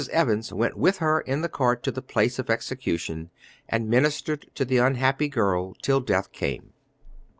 Evans went with her in the cart to the place of execution, and ministered to the unhappy girl till death came.